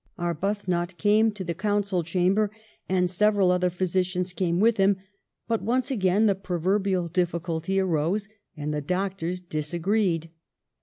Arbuthnot came to the Council chamber, and several other physicians came with him ; but once again the proverbial difficulty arose, and the doctors disagreed.